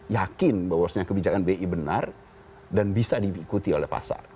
yakin bahwasannya kebijakan bi benar dan bisa diikuti oleh pasar